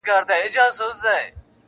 راته مه ګوره میدان د ښکلیو نجونو-